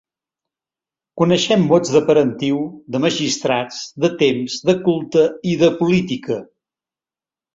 Coneixem mots de parentiu, de magistrats, de temps, de culte i de política.